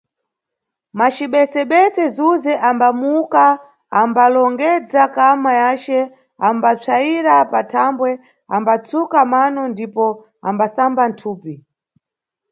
Macibesebese, Zuze ambamuka, ambalongedza kama yace, ambapsayira pathambwe, ambatsuka mano ndipo ambasamba thupi.